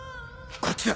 こっちだ。